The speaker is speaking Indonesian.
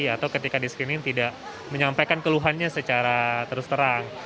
atau ketika di screening tidak menyampaikan keluhannya secara terus terang